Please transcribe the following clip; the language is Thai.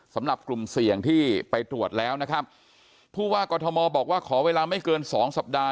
สำหรับกลุ่มเสี่ยงที่ไปตรวจแล้วนะครับผู้ว่ากรทมบอกว่าขอเวลาไม่เกินสองสัปดาห